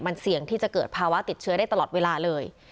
มันเสี่ยงที่จะเกิดภาวะติดเชื้อได้ตลอดเวลาเลย